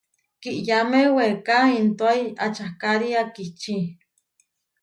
Kiʼyáme weeká intóai ačakári akiči.